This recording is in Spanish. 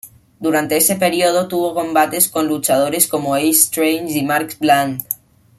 Durante ese periodo tuvo combates con luchadores como Ace Strange y Mark Bland.